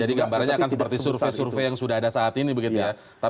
gambarannya akan seperti survei survei yang sudah ada saat ini begitu ya